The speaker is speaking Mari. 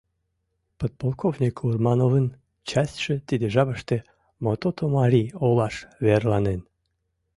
Подполковник Урмановын частьше тиде жапыште Мототомари олаш верланен.